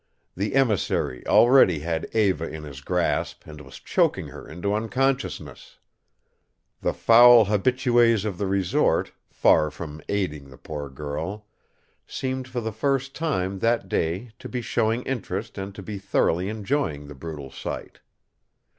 The emissary already had Eva in his grasp and was choking her into unconsciousness. The foul habitués of the resort, far from aiding the poor girl, seemed for the first time that day to be showing interest and to be thoroughly enjoying the brutal sight.